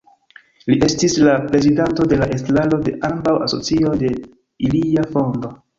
Li estis la prezidanto de la estraro de ambaŭ asocioj de ilia fondo.